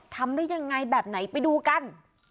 ทำได้ยังไงแบบไหนไปดูกัน